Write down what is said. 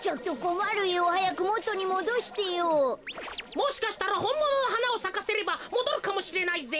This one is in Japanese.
もしかしたらほんもののはなをさかせればもどるかもしれないぜ。